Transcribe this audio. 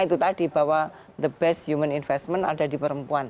itu tadi bahwa the best human investment ada di perempuan